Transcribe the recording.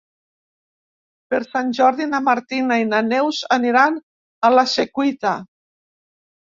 Per Sant Jordi na Martina i na Neus aniran a la Secuita.